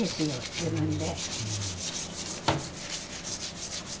自分で。